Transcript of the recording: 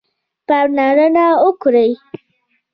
پاملرنه وکړئ